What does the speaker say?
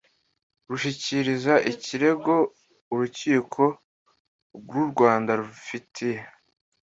Rushyikiriza ikirego urukiko rw u rwanda rubifitiye